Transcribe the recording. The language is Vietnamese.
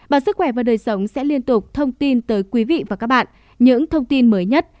bản sức khỏe và đời sống sẽ liên tục thông tin tới quý vị và các bạn những thông tin mới nhất